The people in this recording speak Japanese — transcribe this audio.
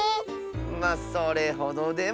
まあそれほどでも。